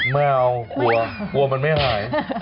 ไม่เอาแล้วอ้วนมันไม่หาย